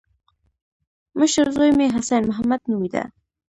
مشر زوی مې حسين محمد نومېده.